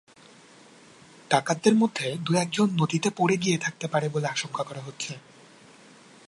ডাকাতদের মধ্যে দু-একজন নদীতে পড়ে গিয়ে থাকতে পারে বলে আশঙ্কা করা হচ্ছে।